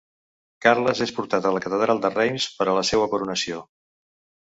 Carles és portat a la catedral de Reims per a la seua coronació.